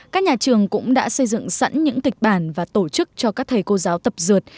các nhà trường cũng đã xây dựng sẵn những kịch bản và tổ chức cho các thầy cô giáo tập dượt